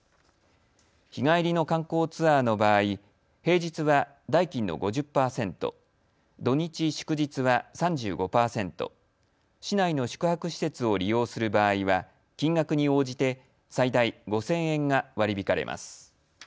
日帰りの観光ツアーの場合、平日は代金の５０％、土日・祝日は３５％、市内の宿泊施設を利用する場合は金額に応じて最大５０００円が割り引かれます。